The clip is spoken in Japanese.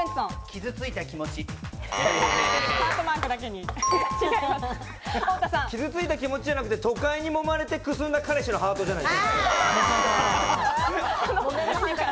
傷ついた気持ちじゃなくて、都会にもまれて、くすんだ彼氏のハートじゃない？